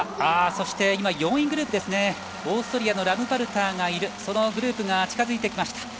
そして、４位グループオーストリアのラムパルターがいるグループが近づいてきました。